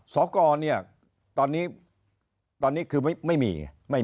สกเนี่ยตอนนี้คือไม่มี